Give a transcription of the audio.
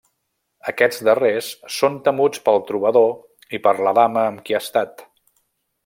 Aquests darrers són temuts pel trobador i per la dama amb qui ha estat.